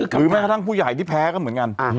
แม้กระทั่งผู้ใหญ่ที่แพ้ก็เหมือนกัน